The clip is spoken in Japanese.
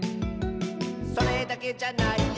「それだけじゃないよ」